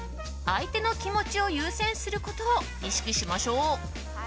相手の気持ちを優先することを意識しましょう。